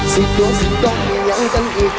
สิบตัวสิบตกมีอย่างกันอีก